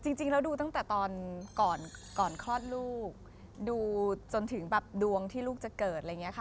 จริงแล้วดูตั้งแต่ตอนก่อนคลอดลูกดูจนถึงแบบดวงที่ลูกจะเกิดอะไรอย่างนี้ค่ะ